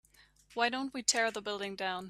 why don't we tear the building down?